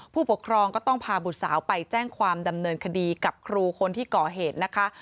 ผู้ปกครองก็ต้องพาบุตรสาวไปแจ้งความดำเนินคดีกับครูคนที่ก่อเหตุนะคะ